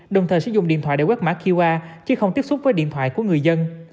đồng thời sử dụng điện thoại để quét mã qr chứ không tiếp xúc với điện thoại của người dân